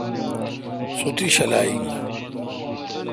سو تی شلا این۔